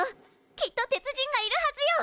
きっと鉄人がいるはずよ！